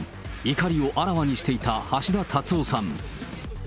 怒りをあらわにしていた橋田達夫さん。